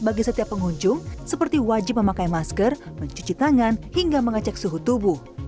bagi setiap pengunjung seperti wajib memakai masker mencuci tangan hingga mengecek suhu tubuh